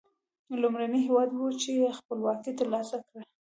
لومړنی هېواد و چې خپلواکي تر لاسه کړه.